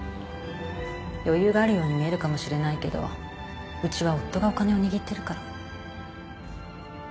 余裕があるように見えるかもしれないけどうちは夫がお金を握ってるから。